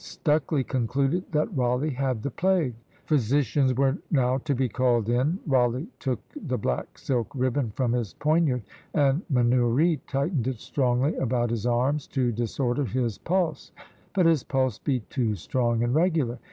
Stucley concluded that Rawleigh had the plague. Physicians were now to be called in; Rawleigh took the black silk ribbon from his poniard, and Manoury tightened it strongly about his arm, to disorder his pulse; but his pulse beat too strong and regular.